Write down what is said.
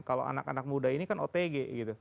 kalau anak anak muda ini kan otg gitu